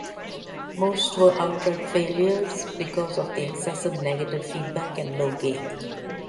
Most were outright failures because of excessive negative feedback and low gain.